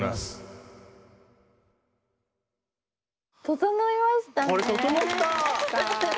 整いましたね。